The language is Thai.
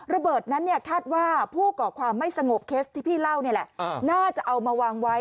ระเบิดนั้นคาดว่าผู้ก่อความไม่สงบเคสที่พี่เล่านี่แหละน่าจะเอามาวางไว้